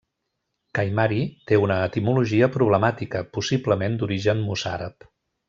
Caimari té una etimologia problemàtica, possiblement d'origen mossàrab.